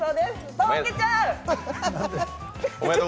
とろけちゃう！